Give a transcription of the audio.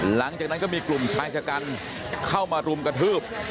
หลังจากนั้นก็มีกลุ่มชายชะกันเข้ามารุมกระทืบ